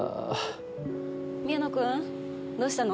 宮野君どうしたの？